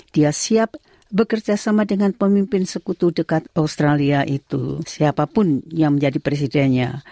dia siap bekerja sama dengan pemimpin sekutu dekat australia itu siapapun yang menjadi presidennya